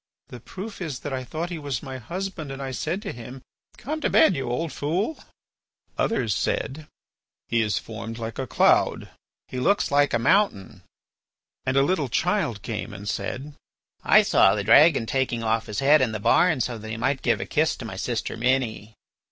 The proof is that I thought he was my husband, and I said to him, 'Come to bed, you old fool.'" Others said: "He is formed like a cloud." "He looks like a mountain." And a little child came and said: "I saw the dragon taking off his head in the barn so that he might give a kiss to my sister Minnie."